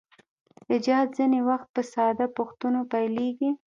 ایجاد ځینې وخت په ساده پوښتنو پیلیږي.